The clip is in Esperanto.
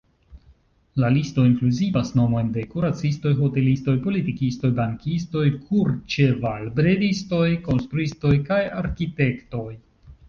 La listo inkluzivas nomojn de kuracistoj, hotelistoj, politikistoj, bankistoj, kurĉevalbredistoj, konstruistoj kaj arkitektoj.